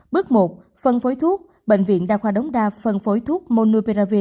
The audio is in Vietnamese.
bước một phân phối thuốc bệnh viện đa khoa đống đa phân phối thuốc monuperavi